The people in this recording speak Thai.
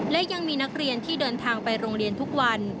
และยังมีนักเรียนที่เดินทางไปโรงเรียนทุกวัน